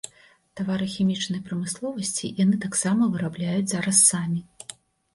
Тавары хімічнай прамысловасці яны таксама вырабляюць зараз самі.